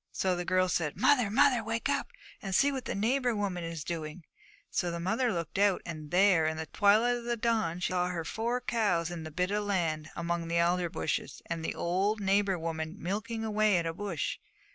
So the girl said, "Mother, mother, wake up, and see what the neighbour woman is doing!" So the mother looked out, and there, in the twilight of the dawn, she saw her four cows in the bit of land, among the alder bushes, and the old neighbour woman milking away at a bush.